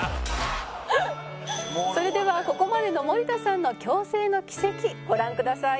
「それではここまでの森田さんの矯正の軌跡ご覧ください」